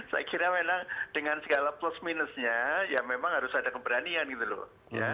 saya kira memang dengan segala plus minusnya ya memang harus ada keberanian gitu loh